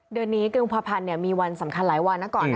เดือนนี้กุมภาพันธ์มีวันสำคัญหลายวันนะก่อน